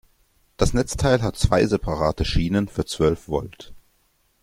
Das Netzteil hat zwei separate Schienen für zwölf Volt.